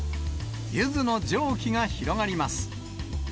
ゆずの蒸気が広がります。